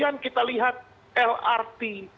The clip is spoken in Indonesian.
nah kita lihat juga kemarin yang di kampung melayu